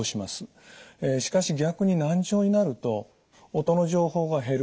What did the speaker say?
しかし逆に難聴になると音の情報が減る。